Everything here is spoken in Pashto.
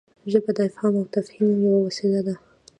ژبه د افهام او تفهیم یوه وسیله ده.